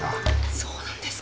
そうなんですか？